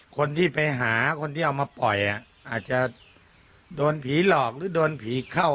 คนที่ไปหาคนที่เอามาปล่อยอาจจะโดนผีหลอกหรือโดนผีเข้า